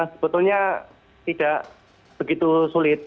sebetulnya tidak begitu sulit